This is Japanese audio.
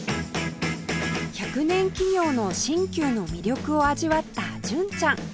１００年企業の新旧の魅力を味わった純ちゃん